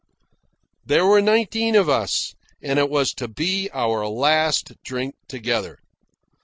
There were nineteen of us and it was to be our last drink together.